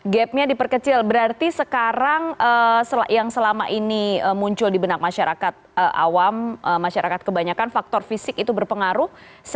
gapnya diperkecil berarti sekarang yang selama ini muncul di benak masyarakat awam masyarakat kebanyakan faktor fisik itu berpengaruh